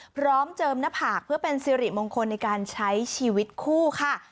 เจิมหน้าผากเพื่อเป็นสิริมงคลในการใช้ชีวิตคู่ค่ะ